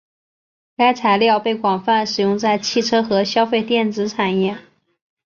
该材料被广泛使用在汽车和消费电子产业。